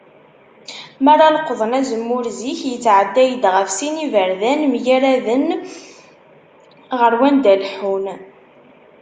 Mi ara leqḍen azemmur zik, yettεedday-d γef sin n yiberdan, mgaraden, γer wanda leḥḥun.